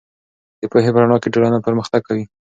د پوهې په رڼا کې ټولنه پرمختګ کوي.